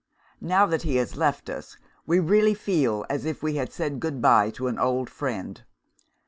Now that he has left us, we really feel as if we had said good bye to an old friend.